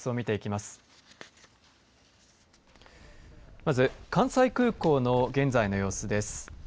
まず、関西空港の現在の様子です。